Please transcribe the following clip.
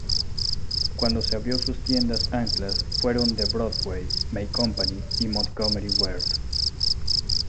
Cuando se abrió sus tiendas anclas fueron The Broadway, May Company y Montgomery Ward.